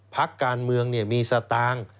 พักการเมืองมีสตางค์